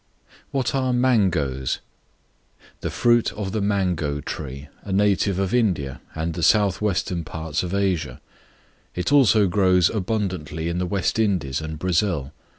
What are Mangoes? The fruit of the Mango Tree, a native of India and the south western parts of Asia; it also grows abundantly in the West Indies and Brazil.